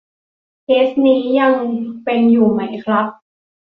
เคสนี้ยังเป็นอยู่ไหมครับ ?